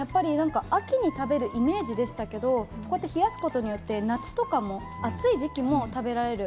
秋に食べるイメージでしたけど、こうやって冷やすことによって夏とかも暑い時期も食べられる。